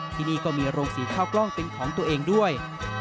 ที่นี่ก็มีโรงสีข้าวกล้องเป็นของตัวเองด้วย